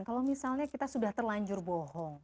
kalau misalnya kita sudah terlanjur bohong